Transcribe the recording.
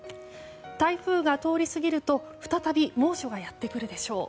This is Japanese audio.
台風が通り過ぎると再び猛暑がやってくるでしょう。